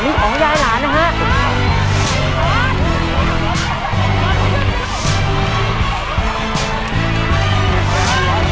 ถึงถึงแล้วนะครับเหรียญสามถึงเท่านั้นนะครับคุณผู้ชม